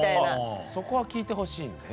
あっそこは聞いてほしいんだね。